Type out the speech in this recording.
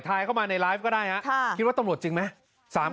เข้ามาในไลฟ์ก็ได้ฮะคิดว่าตำรวจจริงไหม